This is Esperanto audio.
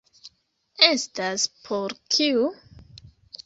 Estas por kiu?